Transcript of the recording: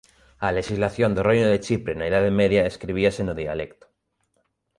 A lexislación do reino de Chipre na Idade Media escribíase no dialecto.